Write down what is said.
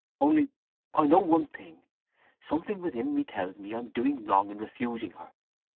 Only I know one thing: something within me tells me I am doing wrong in refusing her.